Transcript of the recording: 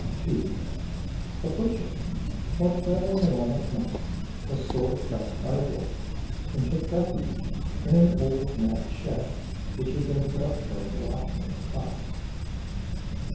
II. A butcher, while travelling along at night, was sore pressed by a wolf, and took refuge in an old mat shed which had been put up for the watchman of the crops.